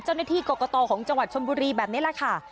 เจ้าหน้าที่กรกตของจังหวัดชนบุรีแบบนี้แหละค่ะ